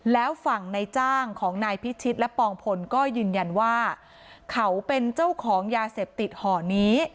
แล้วฝั่งในจ้างของนายพิชิตและปองพลก็ยืนยันว่าเขาเป็นเจ้าของยาเสพติดห่อนี้